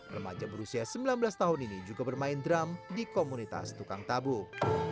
remaja berusia sembilan belas tahun ini juga bermain drum di komunitas tukang tabuh